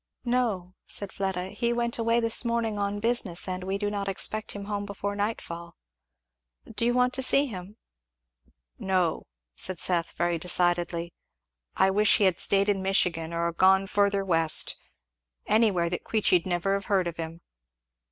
"No," said Fleda, "he went away this morning on business, and we do not expect him home before night fall. Do you want to see him?" "No," said Seth very decidedly. "I wish he had staid in Michigan, or gone further west, anywhere that Queechy'd never have heard of him."